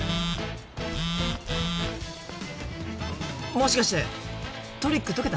もしかしてトリック解けた？